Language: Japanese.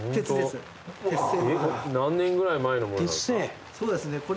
何年ぐらい前のものなんですか？